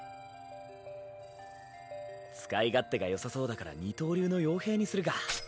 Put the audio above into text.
使い勝手がよさそうだから二刀流の傭兵にするか。